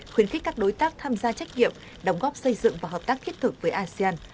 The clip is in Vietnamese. khuyến khích các đối tác tham gia trách nhiệm đóng góp xây dựng và hợp tác thiết thực với asean